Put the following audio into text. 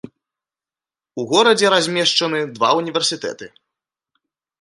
У горадзе размешчаны два ўніверсітэты.